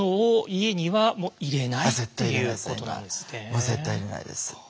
もう絶対入れないです。